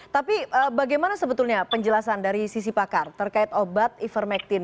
tapi bagaimana sebetulnya penjelasan dari sisi pakar terkait obat ivermectin